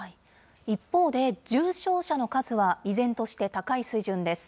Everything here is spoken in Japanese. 一方で、重症者の数は依然として高い水準です。